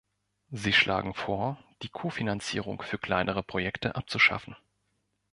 Sie schlagen vor, die Kofinanzierung für kleinere Projekte abzuschaffen.